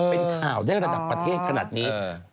เป็นข่าวได้ระดับประเทศขนาดนี้